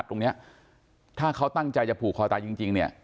ตรงนี้ถ้าเขาตั้งใจจะผูกคอตายจริงเนี่ย